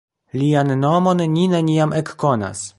Lian nomon ni neniam ekkonas.